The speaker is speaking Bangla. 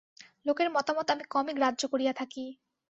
লোকের মতামত আমি কমই গ্রাহ্য করিয়া থাকি।